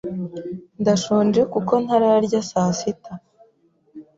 Ndashonje kuko ntararya saa sita.